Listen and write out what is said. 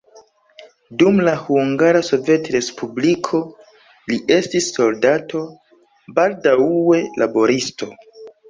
Dum la Hungara Sovetrespubliko li estis soldato, baldaŭe laboristo.